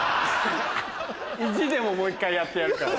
意地でももう１回やってやるからな。